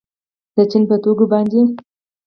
د چین په توکو باندې